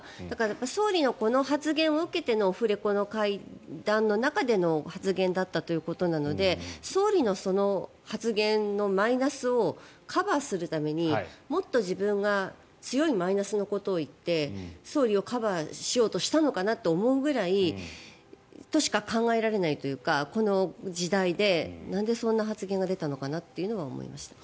総理のこの発言を受けてのオフレコの会談の中での発言だったということなので総理の発言のマイナスをカバーするためにもっと自分が強いマイナスのことを言って総理をカバーしようとしたのかなと思うくらいとしか考えられないというかこの時代でなんでそんな発言が出たのかなというのは思いました。